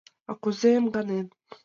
— А кузе эмганен?